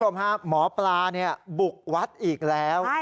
บุคคลมครับหมอปลาบุกวัดอีกแล้ว